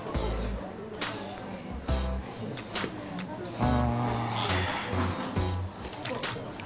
ああ。